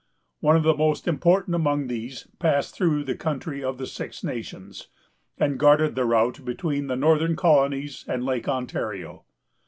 One of the most important among these passed through the country of the Six Nations, and guarded the route between the northern colonies and Lake Ontario.